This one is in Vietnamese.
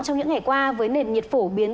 trong những ngày qua với nền nhiệt phổ biến